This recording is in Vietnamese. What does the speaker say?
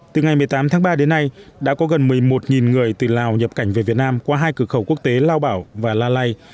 từ ngày một mươi tám tháng ba đến nay đã có gần một mươi một người từ lào nhập cảnh về việt nam qua hai cửa khẩu quốc tế lao bảo và la lai